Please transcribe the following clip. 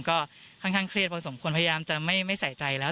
ก็ค่อนข้างเครียดพอสมควรพยายามจะไม่ใส่ใจแล้ว